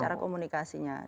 harus berubah kalau tidak mau